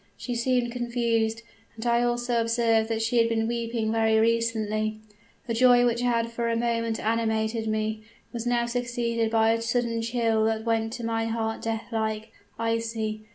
She seemed confused; and I also observed that she had been weeping very recently. The joy which had for a moment animated me, was now succeeded by a sudden chill that went to my heart death like icy.